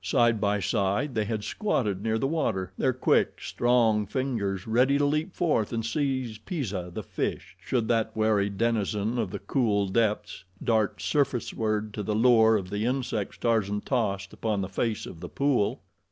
Side by side they had squatted near the water, their quick, strong fingers ready to leap forth and seize Pisah, the fish, should that wary denizen of the cool depths dart surfaceward to the lure of the insects Tarzan tossed upon the face of the pool.